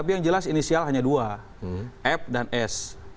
tapi yang jelas inisial hanya dua f dan s